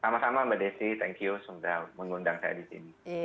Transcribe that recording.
terima kasih juga dokter andri untuk terus mengundang saya di sini